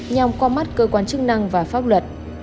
nhằm qua mắt cơ quan chức năng và pháp luật